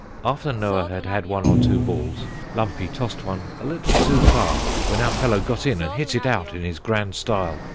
After Noah had had one or two balls, Lumpy tossed one a little too far, when our fellow got in, and hit it out in his grand style.